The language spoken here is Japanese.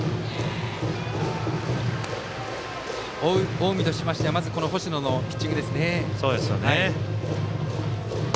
追う近江としましては星野のピッチングですね。